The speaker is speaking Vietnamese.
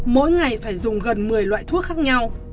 mỗi ngày phải dùng gần một mươi loại thuốc khác nhau